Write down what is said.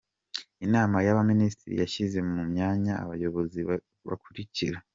Inama y’Abaminisitiri yashyize mu myanya abayobozi bakurikira :.